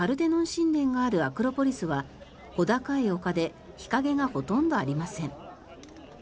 神殿があるアクロポリスは小高い丘で日陰がほとんどありません。